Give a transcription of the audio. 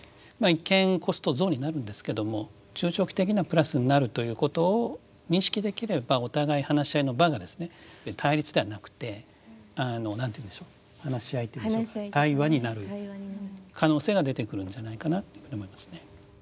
一見コスト増になるんですけども中長期的にはプラスになるということを認識できればお互い話し合いの場がですね対立ではなくて何と言うんでしょう話し合いと言うんでしょうか対話になる可能性が出てくるんじゃないかなと思いますね。